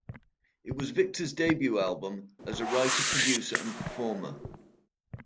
It was Victor's debut album as a writer, producer and performer.